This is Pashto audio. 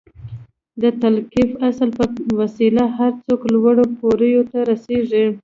د تلقين اصل په وسيله هر څوک لوړو پوړيو ته رسېږي.